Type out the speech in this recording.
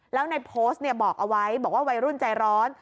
แล้วในโพสต์บอกเอาไว้บอกว่าวัยรุ่นใจร้อน